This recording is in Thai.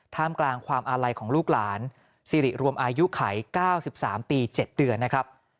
ท่ามกลางความอาลัยของลูกหลานสิริรวมอายุไข๙๓ปี๗เดือนนะครับ